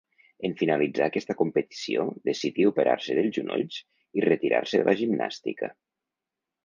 En finalitzar aquesta competició decidí operar-se dels genolls i retirar-se de la gimnàstica.